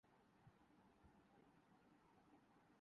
یہ وہ زمانہ تھا۔